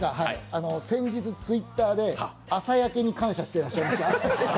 先日、Ｔｗｉｔｔｅｒで朝焼けに感謝していらっしゃいました。